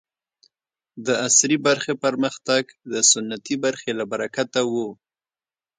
د عصري برخې پرمختګ د سنتي برخې له برکته و.